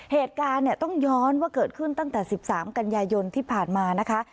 เหตุการณ์เนี่ยต้องย้อนว่าเกิดขึ้นตั้งแต่๑๓กันยายนที่ผ่านมานะคะ